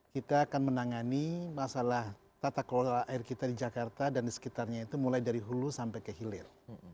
kita akan menangani masalah tata kelola air kita di jakarta dan di sekitarnya itu mulai dari hulu sampai ke hilir